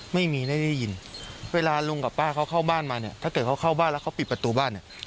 ไม่มีไม่ได้ยินเวลาลุงกับป้าเขาเข้าบ้านมาเนี่ยถ้าเกิดเขาเข้าบ้านแล้วเขาปิดประตูบ้านเนี่ย